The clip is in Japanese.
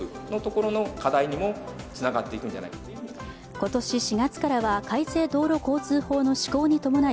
今年４月からは改正道路交通法の施行に伴い、